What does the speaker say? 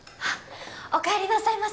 おかえりなさいませ。